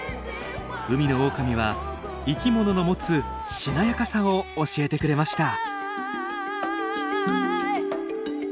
海のオオカミは生きものの持つしなやかさを教えてくれました。